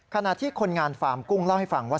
ขณะที่คนงานฟาร์มกุ้งเล่าให้ฟังว่า